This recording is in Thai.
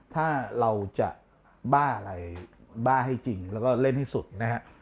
ถ้าเราจะบ้าอะไรบ้าให้จริงแล้วก็เล่นให้สุดนะฮะ